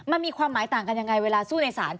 มันมีความหมายต่างกันยังไงเวลาสู้ในศาล